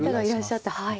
はい。